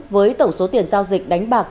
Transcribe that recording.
với tổng số tiền giao dịch đánh bạc